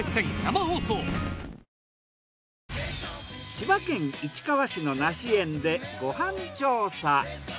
千葉県市川市の梨園でご飯調査。